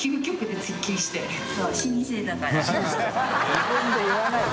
自分で言わないで。